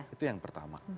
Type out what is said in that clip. itu yang pertama